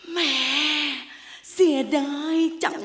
แม่เสียดายจัง